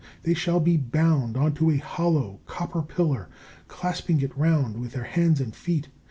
They shall be bound on to a hollow copper pillar, clasping it round with their hands and feet.